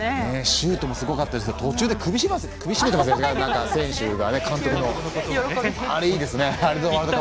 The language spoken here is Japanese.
シュートもすごかったですし途中で首絞めてませんでした？